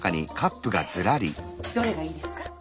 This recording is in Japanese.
どれがいいですか？